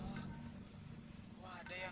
fatimah juga gak tahu kak